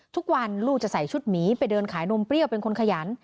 ทุกวันลูกจะใส่ชุดหมีไปเดินขายนมเปรี้ยวเป็นคนขยัน